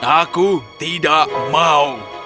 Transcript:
aku tidak mau